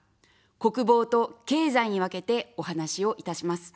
国防と経済に分けてお話をいたします。